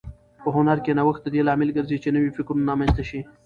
په هنر کې نوښت د دې لامل ګرځي چې نوي فکرونه رامنځته شي.